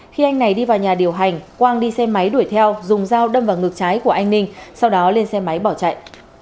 khi anh này đi vào nhà điều hành quang đi xe máy đuổi theo dùng dao đâm vào ngực trái của anh ninh sau đó lên xe máy bỏ chạy